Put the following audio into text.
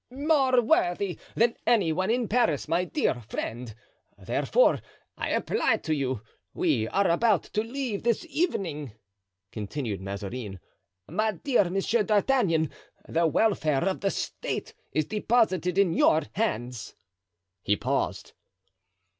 "More worthy than any one in Paris my dear friend; therefore I apply to you. We are about to leave this evening," continued Mazarin. "My dear M. d'Artagnan, the welfare of the state is deposited in your hands." He paused.